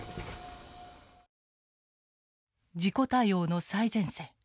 事故対応の最前線。